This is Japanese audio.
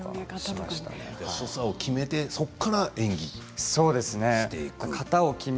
所作を決めてそこから演技をしていくんですね。